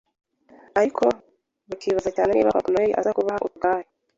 ariko bakibaza cyane niba Papa Noheli aza kubaha utugare.